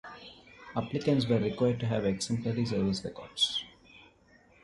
Applicants were required to have exemplary service records.